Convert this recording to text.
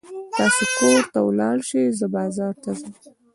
تاسې کور ته ولاړ شئ، زه بازار ته ځم.